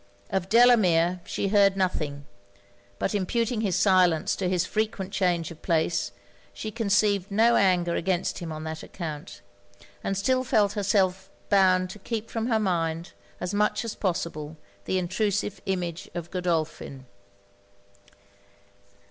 Of Delamere, she heard nothing; but imputing his silence to his frequent change of place, she conceived no anger against him on that account; and still felt herself bound to keep from her mind, as much as possible, the intrusive image of Godolphin.